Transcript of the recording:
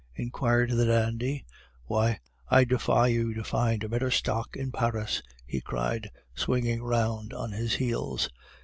inquired the dandy. 'Why, I defy you to find a better stock in Paris!' he cried, swinging round on his heels.